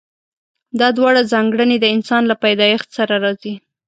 دا دواړه ځانګړنې د انسان له پيدايښت سره راځي.